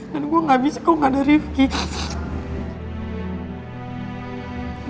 dan gue gak bisa kalau gak ada ripky